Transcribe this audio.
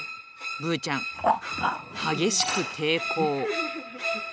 ぶーちゃん、激しく抵抗。